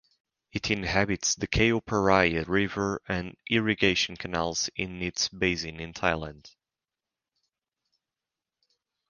It inhabits the Chao Phraya River and irrigation canals in its basin in Thailand.